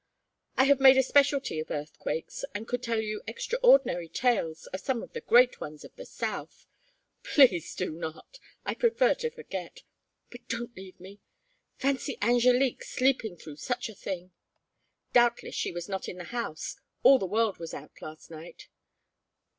I have made a specialty of earthquakes, and could tell you extraordinary tales of some of the great ones of the south " "Please do not. I prefer to forget. But don't leave me. Fancy Angélique sleeping through such a thing!" "Doubtless she is not in the house. All the world was out last night."